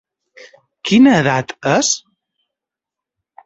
Quina edat és?